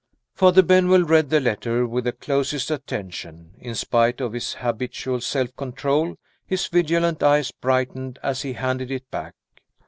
Father Benwell read the letter with the closest attention. In spite of his habitual self control, his vigilant eyes brightened as he handed it back.